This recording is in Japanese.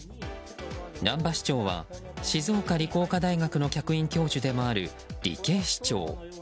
難波市長は静岡理工科大学の客員教授でもある、理系市長。